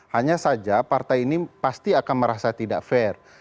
hanya saja partai ini pasti akan merasa tidak fair